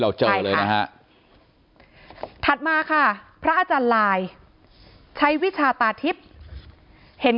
เจอเลยนะฮะถัดมาค่ะพระอาจารย์ลายใช้วิชาตาทิพย์เห็น